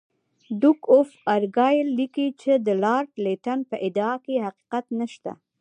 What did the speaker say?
ډوک آف ارګایل لیکي چې د لارډ لیټن په ادعا کې حقیقت نشته.